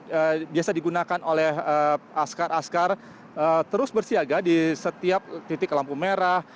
yang biasa digunakan oleh askar askar terus bersiaga di setiap titik lampu merah